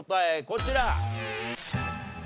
こちら！